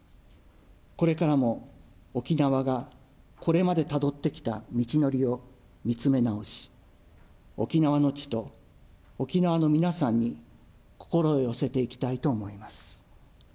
これからも、沖縄がこれまでたどってきた道のりを見つめ直し、沖縄の地と沖縄の皆さんに、心を寄せていきたいと思います。